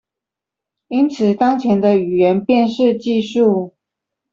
因此當前的語音辨識技術